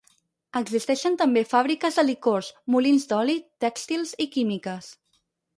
Existeixen també fàbriques de licors, molins d'oli, tèxtils i químiques.